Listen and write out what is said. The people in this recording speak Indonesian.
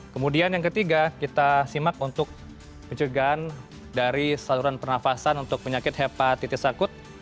kemudian yang ketiga kita simak untuk pencegahan dari saluran pernafasan untuk penyakit hepatitis akut